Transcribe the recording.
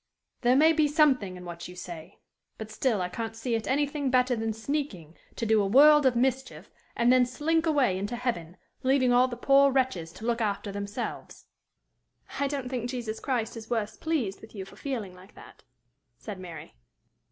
"There may be something in what you say; but still I can't see it anything better than sneaking, to do a world of mischief, and then slink away into heaven, leaving all the poor wretches to look after themselves." "I don't think Jesus Christ is worse pleased with you for feeling like that," said Mary.